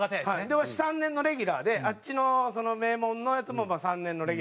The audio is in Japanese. わし３年のレギュラーであっちの名門のヤツも３年のレギュラー。